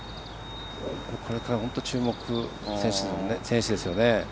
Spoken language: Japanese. これから本当に注目選手ですよね。